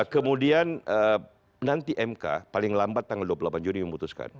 kemudian nanti mk paling lambat tanggal dua puluh delapan juni memutuskan